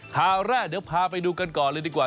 ข่าวแรกเดี๋ยวพาไปดูกันก่อนเลยดีกว่า